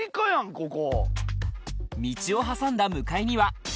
ここ。